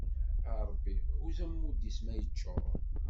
A Ṛebbi, huzz ammud-is ma iččuṛ!